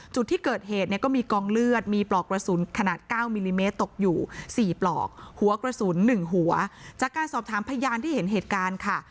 จุดที่เกิดเหตุเนี่ยก็มีกองเลือดมีปลอกกระสุนขนาดเก้ามิลลิเมตรตกอยู่สี่ปลอกหัวกระสุนหนึ่งหัวจากการสอบถามพยานที่เห็นเหตุการณ์ค่ะ